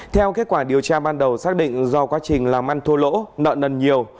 theo kết quả điều tra ban đầu xác định do quá trình làm ăn thua lỗ nợ nần nhiều